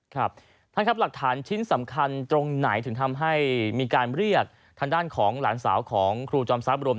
ครับท่านครับหลักฐานชิ้นสำคัญตรงไหนถึงทำให้มีการเรียกทางด้านของหลานสาวของครูจอมทรัพย์รวม